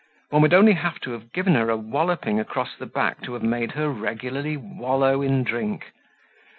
One would only have had to have given her a walloping across the back to have made her regularly wallow in drink.